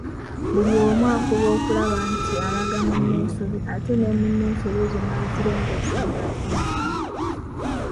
Buli omu afuba okulaba nti alaga munne ensobi ate ne munne ensobi ezo nazirongoosa ng'asanyuka.